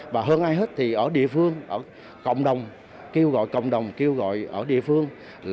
và hơn ai hết thì ở địa phương ở cộng đồng kêu gọi cộng đồng kêu gọi ở địa phương